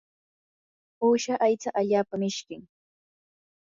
uusha aycha allaapa mishkim.